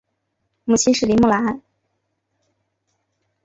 母亲是林慕兰。